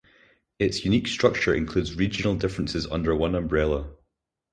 Its unique structure includes regional differences under one umbrella.